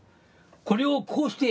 これをこうして！